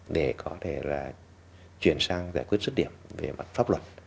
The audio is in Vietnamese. để có thể là chuyển sang giải quyết xuất điểm về mặt pháp luật